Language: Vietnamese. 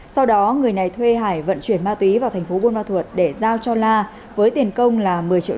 sau đó người này thuê hải vận chuyển ma túy vào thành phố buôn hoa thuột để giao cho la với tiền công là